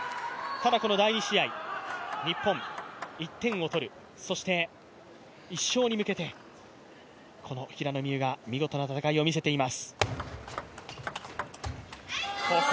ただこの第２試合、日本、１点を取る、そして１勝に向けて平野美宇が見事な戦いを見せています。